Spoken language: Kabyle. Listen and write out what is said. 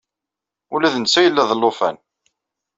Ula d netta yella d alufan.